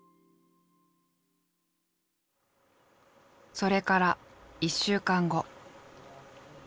それから１週間後。